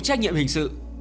trách nhiệm hình sự